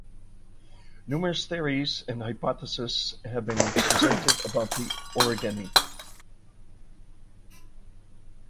Numerous theories and hypotheses have been presented about the orogeny.